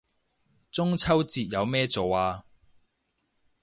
中秋節有咩做啊